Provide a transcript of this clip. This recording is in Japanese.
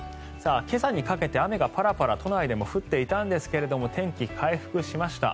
今朝にかけて雨がパラパラ都内でも降っていたんですが天気、回復しました。